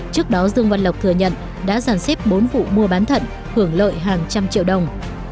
trước đó dương văn lộc thừa nhận đã giàn xếp bốn vụ mua bán thận hưởng lợi hàng trăm triệu đồng